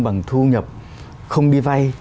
bằng thu nhập không đi vay